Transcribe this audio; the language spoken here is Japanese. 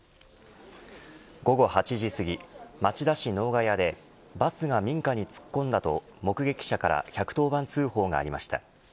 午後８じすぎ町田市能ヶ谷でバスが民家に突っ込んだと目撃者から１１０番通報がありました。